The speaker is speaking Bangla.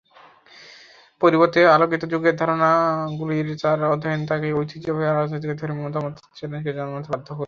পরিবর্তে, আলোকিত-যুগের ধারণাগুলির তার অধ্যয়ন তাকে ঐতিহ্যবাহী রাজনৈতিক এবং ধর্মীয় মতামতকে চ্যালেঞ্জ জানাতে বাধ্য করেছিল।